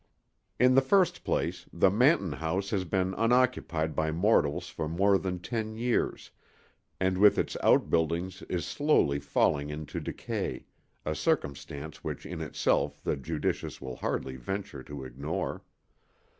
In the first place, the Manton house has been unoccupied by mortals for more than ten years, and with its outbuildings is slowly falling into decay—a circumstance which in itself the judicious will hardly venture to ignore.